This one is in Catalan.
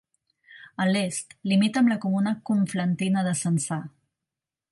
A l'est limita amb la comuna conflentina de Censà.